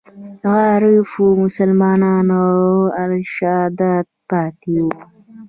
عارفو مسلمانانو ارشادات پاتې وو.